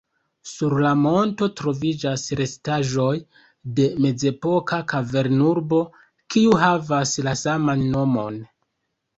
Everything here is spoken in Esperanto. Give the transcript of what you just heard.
Sur la monto troviĝas restaĵoj de mezepoka kavern-urbo, kiu havas la saman nomon.